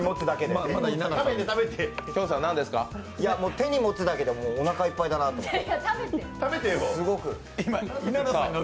手に持つだけでおなかいっぱいだなって。